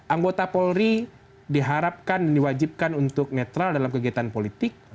anggota polri diharapkan dan diwajibkan untuk netral dalam kegiatan politik